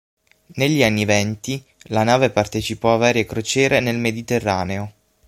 Negli anni venti la nave partecipò a varie crociere nel Mediterraneo.